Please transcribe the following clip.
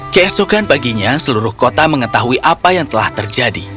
keesokan paginya seluruh kota mengetahui apa yang telah terjadi